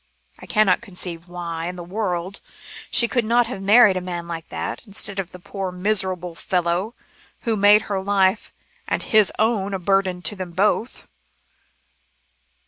"I cannot conceive why, in the world she could not have married a man like that, instead of the poor miserable fellow who made her life and his own, a burden to them both."